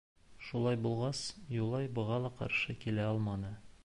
Шулай булғас, Юлай быға ла ҡаршы килә алманы.